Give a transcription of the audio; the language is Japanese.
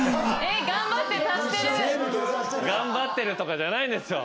頑張ってるとかじゃないですよ。